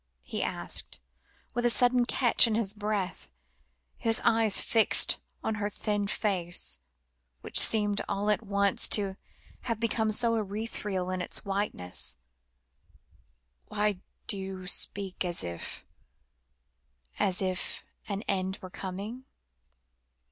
he asked, with a sudden catch in his breath, his eyes fixed on her thin face, which seemed all at once to have become so ethereal in its whiteness; "why do you speak as if " "As if an end were coming?